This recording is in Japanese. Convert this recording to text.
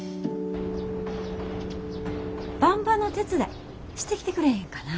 ばんばの手伝いしてきてくれへんかな？